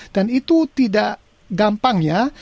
dan itu tidak gampang ya